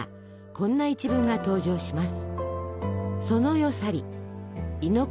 こんな一文が登場します。